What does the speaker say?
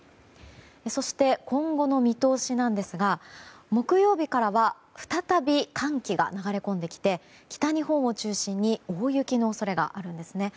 そして、今後の見通しなんですが木曜日からは再び寒気が流れ込んできて北日本を中心に大雪の恐れがあるんですね。